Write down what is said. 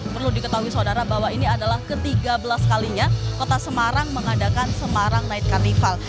perlu diketahui saudara bahwa ini adalah ke tiga belas kalinya kota semarang mengadakan semarang night carnival